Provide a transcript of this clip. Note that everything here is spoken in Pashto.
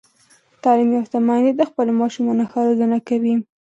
تعلیم یافته میندې د خپلو ماشومانو ښه روزنه کوي.